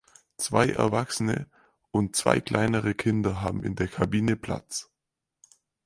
Zwei Erwachsene und zwei kleinere Kinder haben in der Kabine Platz.